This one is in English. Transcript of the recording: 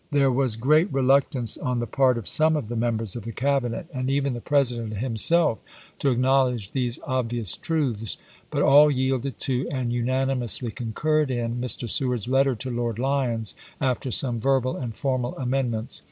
There was great reluctance on the part of some of the members of the Cabinet — and even the President himself — to acknowledge these obvious truths ; but all yielded to, and unanimously concurred in, Mr. Seward's letter to Lord Lyons, after some verbal and formal amendments.